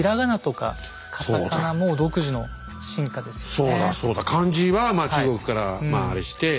そうだそうだ漢字は中国からあれして。